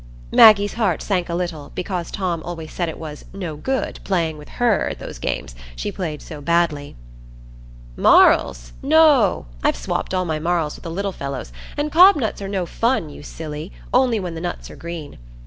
Maggie's heart sank a little, because Tom always said it was "no good" playing with her at those games, she played so badly. "Marls! no; I've swopped all my marls with the little fellows, and cobnuts are no fun, you silly, only when the nuts are green.